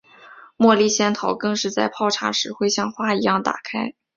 茉莉仙桃更是在泡茶时会像花一样打开。